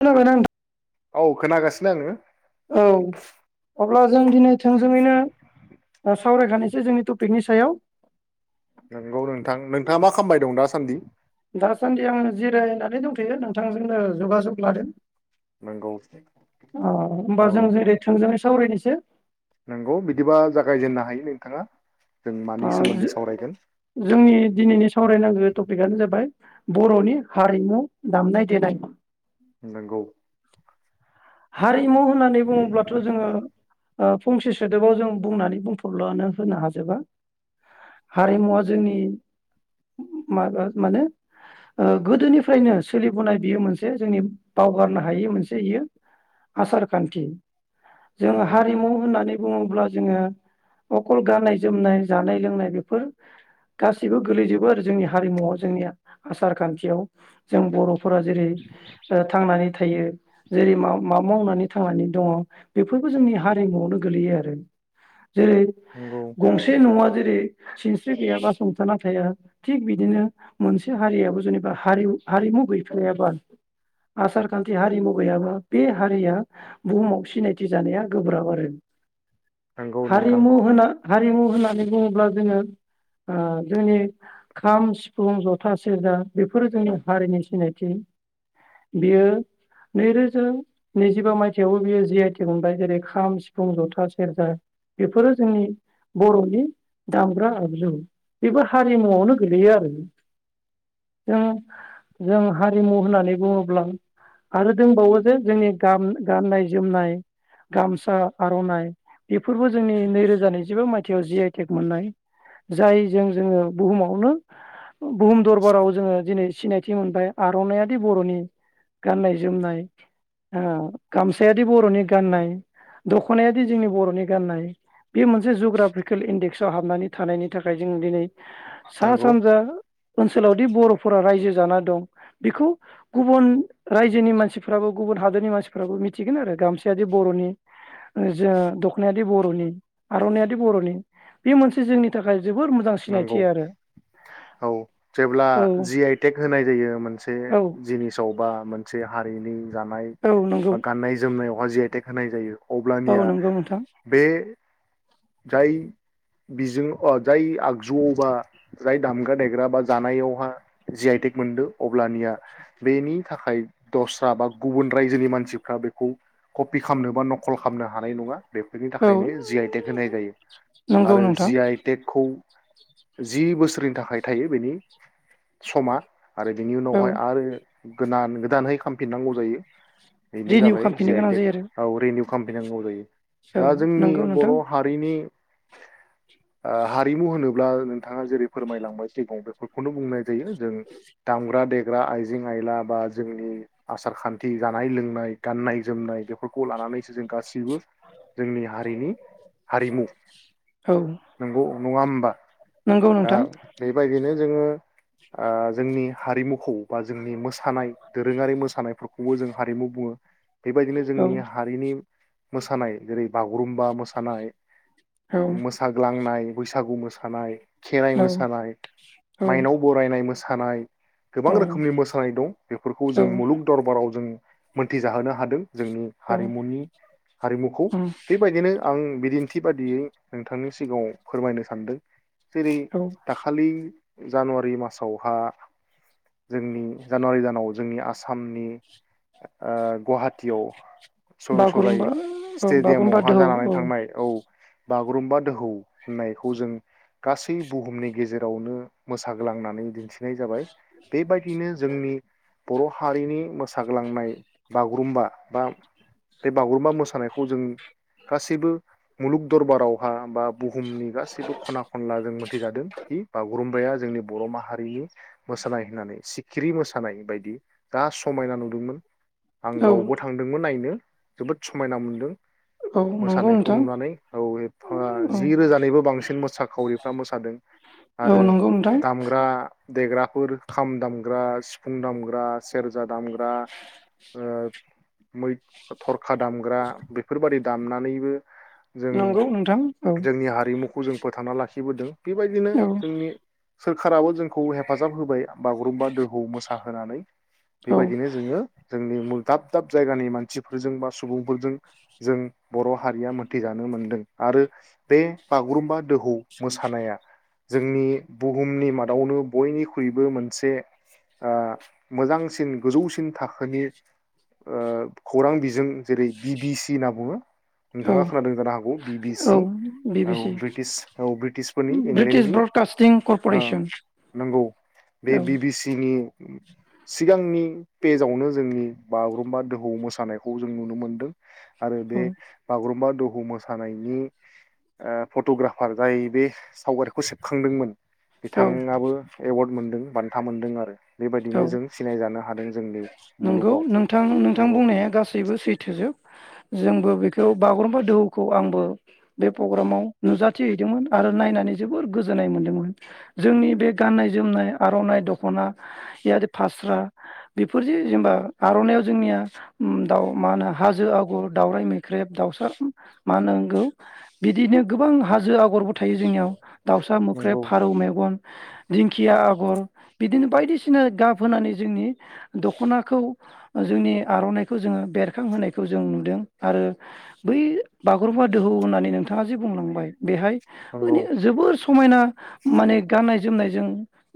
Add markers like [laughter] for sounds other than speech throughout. खोनाबायना नोंथां औ खोनागासिनो आङो औ अब्ला जों दिनै थोंजोङैनो सावरायखानायसै जोंनि टपिकनि सायाव नंगौ नोंथां नोंथाङा मा खालामामबाय दं दासान्दि दासान्दि आं जिरायनानै दंथ'यो नोंथांजोंनो जगाजग लादों नोंगौ अ होमबा जों जेरै थोंजोङै सावरायनोसै नंगौ बिदिबा जागायजेननो हायो नोंथाङा जों मानि सोमोन्दै सावरायगोन जोंनि दिनैनि सावरायनांगौ टपिकआनो जाबाय बर'नि हारिमु दामनाय देनाय नोंगौ हारिमु होननानै बुङोब्लाथ' जोङो अ फंसे सोदोबाव जों बुंनानै बुंफुरलु होनो हाजोबा हारिमुवा जोंनि माबा माने अ गोदोनिफ्रायनो सोलिबोनाय बियो मोनसे जोंनि बावगारनो हायि मोनसे बियो आसारखानथि जों नोंगौ हारिमु होननानै बुङोब्ला जोङो अकल गाननाय जोमनाय जानाय लोंनाय बेफोर गासैबो गोलैजोबो आरो जोंनि हारिमुवआव जोंनि आसार खानथियाव जों बर' फोरा जेरै अ थांनानै थायो जेरै मा मा मावनानै थांनानै दङ बेफोरबो जोंनि हारिमुआवनो गोलैयो आरो जेरै नोंगौ गंसे न'आ जेरै सिनस्रि गैयाबा संथाना थाया थिग बिदिनो मोनसे हारियाबो जेनेबा हारि हारिमु गैफेराबा आसार खानथि हारिमु गैयाबा बे हारिया बुहुमाव सिनायथि जानाया गोब्राब आरो नोंगौ नोंथां हारिमु होना हारिमु होननानै बुङोब्ला जोङो अ जोंनि खाम सिफुं जथा सेरजा बेफोरो जोंनि हारिनि सिनायथि बियो नैरोजा नैजिबा मायथाइयावबो बेयो जि आइ टेक मोनबाय जेरै खाम सिफुं जथा सेरजा बेफोरो जोंनि बर'नि दामग्रा आगजु बेबो हारिमुआवनो गोलैयो आरो जों जों हारिमु होननानै बुङोब्ला आरो दंबावो जे जोंनि गाम गाननाय जोमनाय गामसा आर'नाइ बेफोरबो जोंनि नैरोजा नैजिबा मायथाइयाव जि आइ टेक मोननाय जायजों जोङो बुहुमावनो बुहुम दरबाराव जोङो दिनै सिनायथि मोनबाय आर'नायादि बर'नि गाननाय जोमनाय अ गामसायादि बर'नि गाननाय दख'नायादि जोंनि बर'नि गाननाय बे मोनसे जुग्राफिकेल इन्डेक्सआव हाबनानै थानायनि थाखाय जों दिनै सा नोंगौ सानजा ओन सोलावदि बर'फोरा रायजो जाना दं बेखौ गुबुन रायजोनि मानसिफ्राबो गुबुन हादोरनि मानसिफ्राबो मिथिगोन आरो गामसायादि बर'नि ओ जो दख'नायादि बर'नि आर'नायादि बर'नि बे मोनसे जोंनि थाखाय जोबोर मोजां सिनायथि नंगौ आरो औ जेब्ला औ जि आइ टेक होनाय जायो मोनसे औ जिनिसाव बा मोन से हारिनि जानाय औ नंगौ बा गाननाय जोमनायाव जि आइ टेक होनाय जायो औ अब्लानिया नंगौ नोंथां बे जाय बिजों अ जाय आगजुआव बा जाय दामग्रा देग्रा बा जानायावहा जि आइ टेक मोनदो अब्लानिया बेनि थाखाय दस्रा बा गुबुन रायजोनि मानसिफ्रा बेखौ कपि खालामनो बा नखल खालामनो हानाय नङा बेफोरनि औ थाखायनो जि आइ होनाय जायो नंगौ आरो नोंथां जि आइ टेकखौ जि बोसोरनि थाखाय थायो बेनि समा आरो बिनि औ उनावहाय आरो गोदान गोदानहै खालामफिननांगौ जायो बेनो रिनिउ जाबाय जि खालामफिननो आइ गोनां टेक जायो औ रेनो खालामफिन नांगौ जायो आरो औ दा जोंनि नंगौ बर' नोंथां हारिनि हारिमु होनोबा होनोब्ला नोंथाङा जेरै फोरमायलांबाय सिगाङावनो बेफोरखौनो बुंनाय जायो जों दामग्रा देग्रा आइजें आइला बा जोंनि आसार खान्थि जानाय लोंनाय गान्नाय जोमनाय फोरखौ लानानैसो जों गाससिबो जोंनि हारिनि औ औ नङा होमबा नंगौ दा नोंथां बेबायदिनो जोङो जोंनि हारिमुखौ बा जोंनि मोसानाय दोरोङारि मोसानायफोरखौबो जों हारिमु बुङो बेबायदिनो औ जोंनि हारिनि मोसानाय जेरै बागुरुमबा मोसानाय औ मोसाग्लांनाय बैसागु मोसानाय खेराइ औ मोसानाय माइनाव बरायनाय मोसानाय सानाय गोबां रोखोमनि औ मोसानाय दं बेफोरखौ जों मुलुग दरबाराव जों मोनथिजाहोनो हादों जोंनि औ हारिमुनि हारिमुखौ उम बेबायदिनो आं बिदि गोनांथि बादियै नोंथांनि सिगाङाव फोरमायनो सानदों जेरै औ दाखालि जानुवारि मासावहा जोंनि जानुवारि दानाव जोंनि आसामनि गुवाहाटी याव सज' सजाय बागुरुम्बा औ बागुरुम्बा स्टेडियामावहा दोहौ जानानै औ थांनाय औ बागुरुम्बा दोहौ होननायखौ जों गासै बुहुमनि गेजेरावनो मोसाग्लांनानै दिन्थि नाय जाबाय बेबायदिनो जोंनि बर' हारिनि मोसाग्लांनाय बागुरुम्बा बा बे बागुरुम्बा मोसानायखौ जों गासैबो मुलुग दरबारावहा बा बुहुमनि गासिबो खना खनला जों मोनथिजादोंखि बागुरुम्बा जोंनि बर' माहारिनि मोसानाय होननानै सिखिरि मोसानाय बायदि जा समायना नुदोंमोन। आं औ गावबो थांदोंमोन नायनो। जोबोद समायना मोनदों औ नंगौ मोसानायखौ नोंथां। नुनानै औ एफा औ जि रोजानिबो बांसिन मोसाखावरिफ्रा मोसादों आरो नंगौ नोंथां दामग्रा देग्राफोर खाम दामग्रा सिफुं दामग्रा सेरजा दामग्रा मै थर खा दामग्रा बेफोरबायदि दामनानैबो जों नंगौ नोंथां औ जोंनि हारिमुखौ जों फोथांना लाखिबोदों बेबायदिनो औ जोंनि सोरखाराबो जोंखौ हेफाजाब होबाय बागुरुम्बा दोहौ मोसाहोनानै औ बेबायदिनो जोङो जोंनि दाब दाब जायगानि मानसिफोरजों बा सुबुंफोरजों जों बर' हारिया मोन मोनथिजानो मोनदों आरो बे बागुरुम्बा दोहौ मोसानाया जोंनि बुहुमनि मादावनो बयनिख्रुइबो मोनसे मोजांसिन गोजौसिन थाखोनि खौरां बिजों जेरै बि बिसि होनना बुङो औ नोंथाङा खोनादों जानो हागौ बि बि औ सि बि औ बि सि ब्रिटिस औ ब्रिटिसफोरनि ब्रिटिश इंलेण्डनि ब्रडकास्टिं कर्परेसन नंगौ बे औ बि बि सिनि सिगांनि पेजावनो जोंनि बागुरुम्बा दोहौ मोसानायखौ जों नुनो मोनदों आरो बे बागुरुम्बा दोहौ मोसानायनि फट'ग्राफार जाय बे सावगारिखौ सेबखांदोंमोन औ बिथाङाबो एवार्ड मोन बान्था मोनदों आरो औ बेबायदिनो जों सिनायजानो हादों जोंनि नंगौ मुलुगाव नोंथां नोंथां नंगौ बुंनाया गासैबो सैथोजोब जोंबो बेखौ बागुरुम्बा दोहौखौ आंबो बे प्रग्रामाव नुजाथि हैदोंमोन आरो नायनानै जोबोर गोजोननाय मोनदोंमोन जोंनि बे गाननाय जोमनाय आर'नाइ दख'ना जि फास्रा बेफोरजों जेनेबा आर'नायइाव जोंनिया दाउ मा होनो हाजो आग'र दावराइ मैख्रेब दाउसा मा होनगौ बिदिनो गोबां हाजो आगरबो थायो जोंनियाव दाउसा मोख्रेब नंगौ फारौ मेगन दिंखिया आगर बिदिनो बायदिसिना गाब होनानै जोंनि दख'नाखौ जोंनि आर'नाइखौ जोङो बेरखांहोनायखौ जों नुदों आरो बै बागुरुम्बा दोहौ होननानै नोंथाङा जे बुंलांबाय बेहाय मान नंगौ जोबोर समायना माने गाननाय जोमनायजों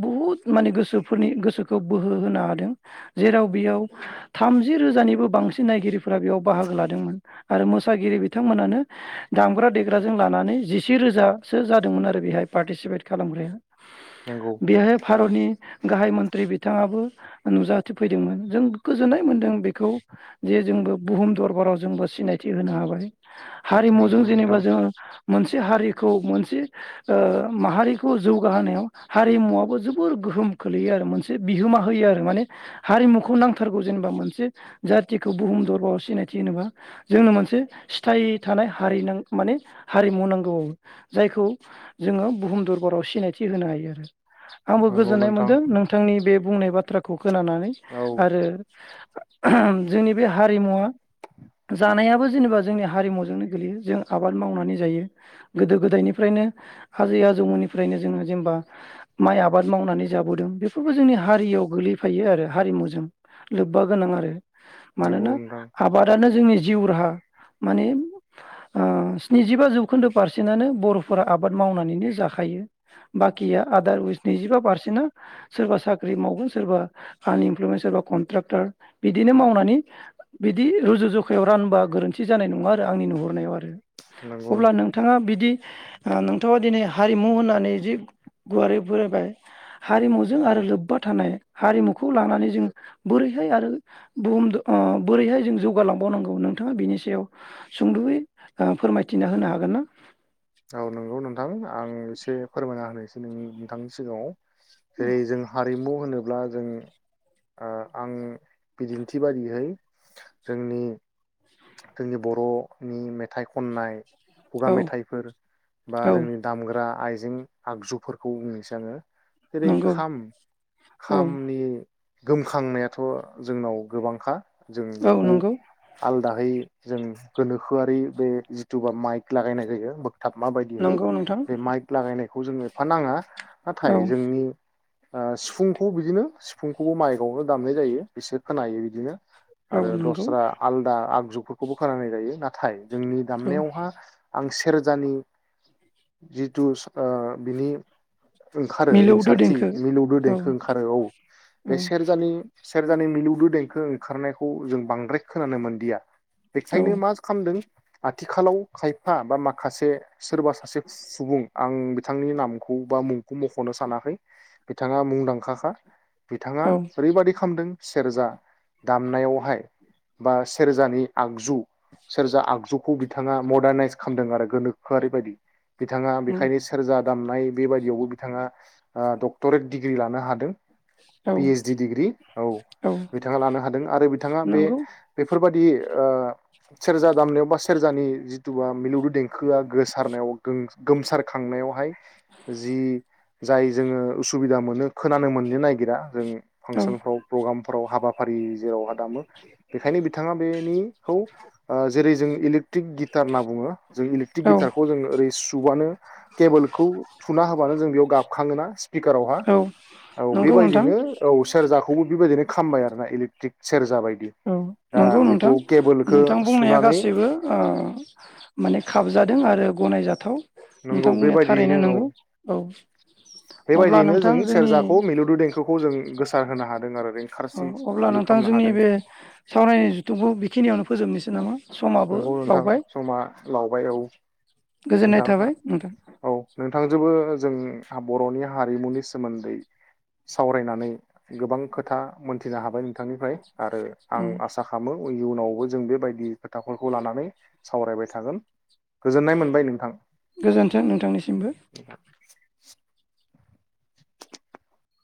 बुहुत माने गोसो फोरनि गोसोखौ बोहो होनो हादों जेराव बेयाव थामजि रोजानिबो बांसिन नायगिरिफोरा बेयाव बाहागो लादोंमोन आरो मोसागिरि बिथांमोनानो दामग्रा देग्राजों लानानै जिसे रोजासो जादोंमोन आरो बेहाय पार्टिसिपेट खालामग्राया नंगौ बेहाय भारतनि गाहाय मन्थ्रि बिथाङाबो नुजाथिफैदोंमोन जों गोजोननाय मोनदों बेखौ जे जोंबो बुहुम दरबाराव जोंबो सिनायथि होनो हाबाय नंगौ हारिमुजों जेनेबा नोंथां जोङो मोनसे हारि खौ मोनसे माहारिखौ जौगाहोनायाव हारिमुवाबो जोबोर गोहोम खोलैयो आरो मोनसे बिहोमा होयो आरो माने हारिमुखौ नांथारगौ जेनेबा मोनसे जाथिखौ बुहुम दरबाराव सिनायथि होनोबा जोंनो मोनसे सिथाय थानाय हारि न माने हारिमु नांगौबो जायखौ जोङो बुहुम दरबाराव सिनायथि होनो हायो आरो आंबो नंगौ गोजोननाय नोंथां मोनदों नोंथांनि बे बुंनाय बाथ्राखौ खौ खोनानानै औ आरो जोंनि बे हारिमुवा जानायाबो जेनेबा जोंनि हारिमुजोंनो गोगलैयो जों आबाद मावनानै जायो गोदो गोदायनिफ्रायनो आजै आजौमोननिफ्रायनो जोङो जेनेबा माइ आबाद मावनानै जाबोदों बेफोरबो जोंनि हारियाव गोगलैफायो आरो हारिमुजों लोब्बा गोनां आरो मानोना नंगौ नोंथां आबादानो जोंनि जिउ राहा माने स्निजिबा जौखोन्दो पारसेन्टनो बर'फोरा आबाद मावनानैनो जाखायो बाखिया आदारवाइज नैजिबा पारसेन्ट बिना सोरबा साख्रि मावगोन सोरबा आनइमप्लयमेन्ट सोरबा कन्ट्रेक्टार बिदिनो मावनानै बिदि रुजु जुखायाव रानबा गोरोन्थि जानाय नङा आरो आंनि नुहरनायाव आरो नंगौ अब्ला नोंथां नोंथाङा बिदि आ नोंथाङा दिनै हारिमु होननानै जि गुवारै फोरायबाय हारिमुजों आरो लोब्बा थानाय हारिमुखौ लानानै जों बोरैहाय आरो बुहुम बोरैहाय जों जौगालांबावनांगौ नोंथाङा बिनि सायाव सुंद'यै फोरमायथिना होनो हागोन ना औ नंगौ नों नोंथां आं एसे फोरमायना होनोसै नोंनि नोंथांनि सिगाङाव जेरै जों हारिमु होनोब्ला अब्ला जों आं बिदिन्थि बादिहै जोंनि जोंनि बर'नि मेथाइ खननाय खुगा औ मेथाइफोर बा औ जोंनि दामग्रा आइजें जों आगजुफोरखौ बुंनोसै आङो जेरै नंगौ खाम औ खामनि गोमखांनायाथ' जोंनाव गोबांखा जों औ बेखौ नंगौ आलदा गोनोखोआरि बे जिथु बा माइक लागायनाय जायो बोगथाबमाबायदिहै नंगौ नोंथां बे माइक लागायनाय बे खौ जोंङो एफा नाङा नाथाय औ जोंनि ओ सिफुंखौ बिदिनो सिफुंखौबो माइकआवनो दामनाय जायो बिसोर खोनायो बिदिनो औ आरो नंगौ दस्रा आल आगजुफोरखौबो खोनानाय जायो नाथाय जोंनि औ दामनायावहा आं सेरजानि जिथु ओ बिनि ओंखारो मिलौदो रिंसारथि देंखो मिलौदो औ देंखो ओंखारो औ बे औ सेरजानि सेरजानि मिलौदो देंखो ओंखारनायखौ जों बांद्राय खोनानो मोनदों दिया औ बेखायनो मा खालामदों आथिखालाव खायफा बा माखासे सोरबा सासे सुबुं आं बिथांनि नामखौ बा मुंखौ मख'नो सानाखै बिथाङा मुंदांखा खा बिथाङा औ ओरैबादि खालामदों सेरजा दामनायावहाय बा सेरजानि आगजु सेरजा आगजुखौ बिदि बिथाङा मदारनाइस खालामदों आरो गोनोखोआरि बायदि बिथाङा उम बेखायनो सेरजा दामनाय बेबायदियावबो बिथाङा डक्टरेट डिग्रि लानो हादों। औ पिओस डि डिग्रि औ औ बिथाङा लानो हादों आरो बिथाङा बे नंगौ बेफोरबादि सेरजा दामनायाव बा सेरजानि जिथुुबा मिलौदो देंखोआ गोसारनायाव गोमसार खांनायावहाय जि जाय जोङो उसुबिदा मोनो। खोनानो मोननो नागिरा जों औ फांसनफ्राव प्रग्राम फोराव हाबाफारि जेराव दामो बेखायनो बिथाङा बेनिखौ जेरै जों इलेकट्रिक गिटार होनना बुङो जों इलेकट्रिक औ गिटारखौ जों ओरै सुबुबानो केबोलखौ थुना होबानो जों बेयाव गाबखाङोना स्पिकारावहा औ औ नंगौ नोंथां बेबायदिनो औ सेर्जाखौबो बेबायदिनो खालामामबाय आरो ना इलेकट्रिक सेरजाबायदि औ नंगौ नोंथां नोंथां बुंनाया सुनानै गासैबो माने ओ खाबजादों। आरो गनायजाथाव नंगौ नोंथां बुंनाया बेबायदियैनो थारैनो औ नंगौ औ अब्ला बेबायदियैनो जों नोंथां जोंनि सेरजाखौ मिलौदो देंखोखौ जों गोसार होनो हादों आरो ओ औ रिंखारथि अब्ला बिदि नोंथां खालामनो जोंनि हादों। बे सावरायनाय जुथुमखौ बेखिनियावनो फोबनोसै नामा? समाबो नोंगौ नोंथां बावबाय समा लावबाय औ। गोजोननाय नोंथाङा थाबाय नोंथां औ नोंथांजोबो जों बर'नि हारिमुनि सोमोन्दै सावरायनानै गोबां खोथा मोनथिनो हाबाय। बिथांनिफ्राय आरो आं उम आसा खालामो इयुनावबो जों बेबायदि खोथाफोरखौ लानानै सावरायबाय थागोन गोजोननाय मोनबाय नोंथां। गोजोन्थों नोंथांनिसिमबो। [inaudible]